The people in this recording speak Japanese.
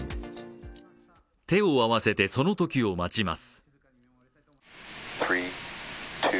手を合わせてそのときを待ちます。